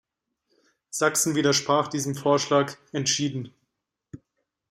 Sachsen widersprach diesem Vorschlag entschieden.